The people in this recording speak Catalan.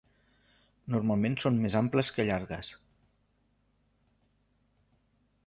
Normalment són més amples que llargues.